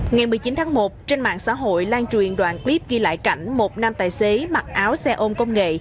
ngày một mươi chín tháng một trên mạng xã hội lan truyền đoạn clip ghi lại cảnh một nam tài xế mặc áo xe ôn công nghệ